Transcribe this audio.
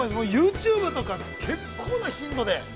ユーチューブとか、結構な頻度で。